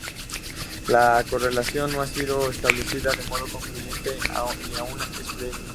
La correlación no ha sido establecida de modo concluyente y aún es preliminar.